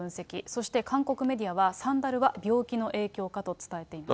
そして韓国メディアはサンダルは病気の影響かと伝えています。